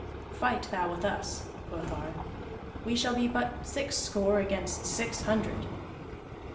"Fight thou with us," quoth Ar. "We shall be but six score against six hundred."